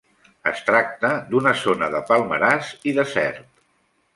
Es tracta d'una zona de palmerars i desert.